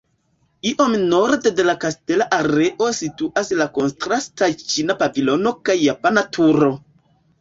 Iom norde de la kastela areo situas la kontrastaj ĉina pavilono kaj japana turo.